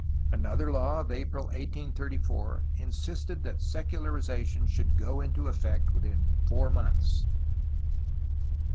Another law of April 1834 insisted that secularization should go into effect within four months.